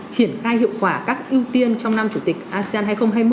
triển khai hiệu quả các ưu tiên trong năm chủ tịch asean hai nghìn hai mươi